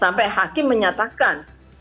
sampai hakim menyatakan